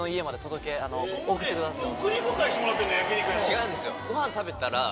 違うんですよ。